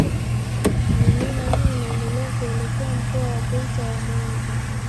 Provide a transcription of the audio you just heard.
Milima hii inaendelea kuelekea Mkoa wa Geita na Mwanza.